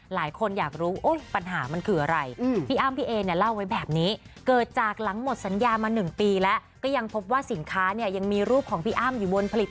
หลายคนคงทราบกันดีเห็นมีภาพที่ไปพบกับทนายดังไง